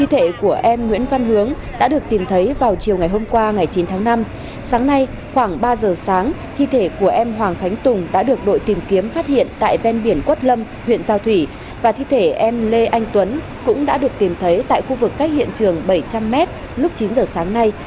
tất cả các em đã được tìm kiếm phát hiện tại ven biển quất lâm huyện giao thủy và thi thể em lê anh tuấn cũng đã được tìm thấy tại khu vực cách hiện trường bảy trăm linh m lúc chín h sáng nay